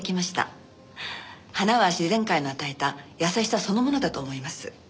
花は自然界の与えた優しさそのものだと思います。